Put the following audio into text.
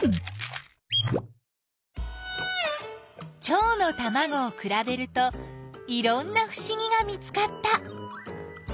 チョウのたまごをくらべるといろんなふしぎが見つかった。